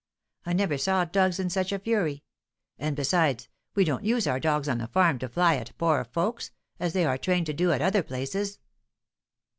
I never saw dogs in such a fury. And, besides, we don't use our dogs on the farm to fly at poor folks, as they are trained to do at other places."